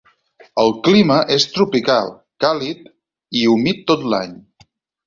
El clima és tropical, càlid i humit tot l'any.